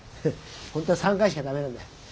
本当は３回しか駄目なんだ。